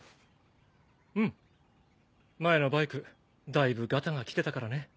うん前のバイクだいぶガタが来てたからね。